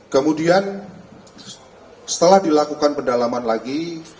kemudian setelah dilakukan pendalaman lagi